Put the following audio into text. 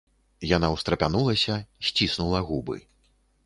Яна ўстрапянулася, сціснула губы.